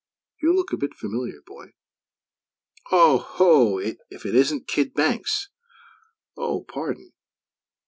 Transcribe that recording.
"You look a bit familiar, boy. Oho! If it isn't kid Banks; oh, pardon!